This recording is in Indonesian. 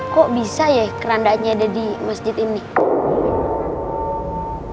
kok bisa ya kerandaannya ada di masjidnya